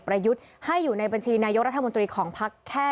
ยุทธ์ให้อยู่ในบัญชีนายกรัฐมนตรีของพักแค่